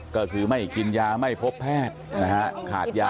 ก็คือไม่กินยาไม่พบแพทย์นะฮะขาดยา